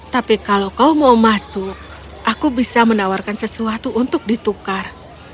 tapi kalau kau mau masuk aku bisa menawarkan sesuatu untuk ditukar